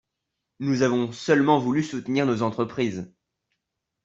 Nous avons seulement voulu soutenir nos entreprises